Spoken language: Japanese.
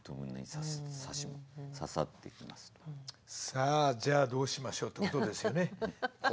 さあじゃあどうしましょうってことですよね。